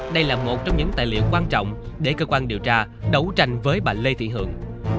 đây là một trong những tài liệu quan trọng để cơ quan điều tra đấu tranh với bà lê thị hưởng